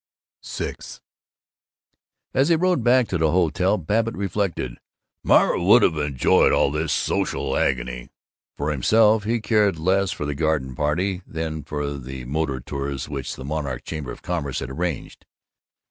VI As he rode back to the hotel Babbitt reflected, "Myra would have enjoyed all this social agony." For himself he cared less for the garden party than for the motor tours which the Monarch Chamber of Commerce had arranged.